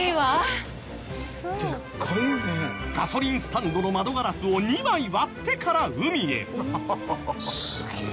ガソリンスタンドの窓ガラスを２枚割ってから海へ。